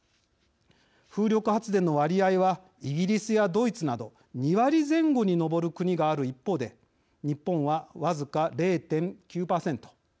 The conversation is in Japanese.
風力発電の割合はイギリスやドイツなど２割前後に上る国がある一方で日本は、僅か０．９％。